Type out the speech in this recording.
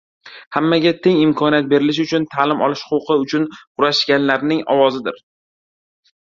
hammaga teng imkoniyat berilishi uchun, ta’lim olish huquqi uchun kurashganlarning ovozidir.